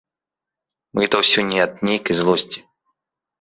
Гэта ўсё не ад нейкай злосці.